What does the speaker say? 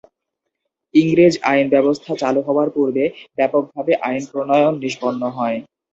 ইংরেজ আইনব্যবস্থা চালু হওয়ার পূর্বে ব্যাপকভাবে আইন প্রণয়ন নিষ্পন্ন হয়।